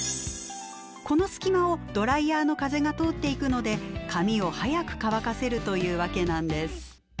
この隙間をドライヤーの風が通っていくので髪を早く乾かせるというわけなんです。